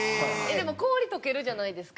でも氷解けるじゃないですか。